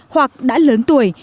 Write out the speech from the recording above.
hoặc đã lớn tuổi